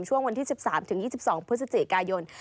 ช่วงวันที่๑๓๒๒พฤศจิกายน